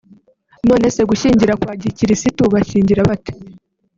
none se gushyingira kwa gikirisitu bashyingira bate